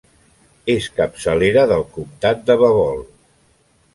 És capçalera del comtat de Babol.